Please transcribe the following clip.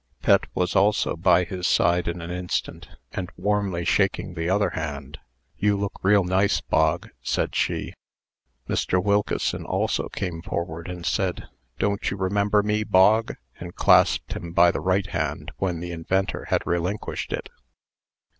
Pet was also by his side in an instant, and warmly shaking the other hand. "You look real nice, Bog," said she. Mr. Wilkeson also came forward, and said, "Don't you remember me, Bog?" and clasped him by the right hand when the inventor had relinquished It.